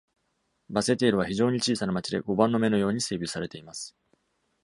バセテールは非常に小さな町で、碁盤の目のように整備されています。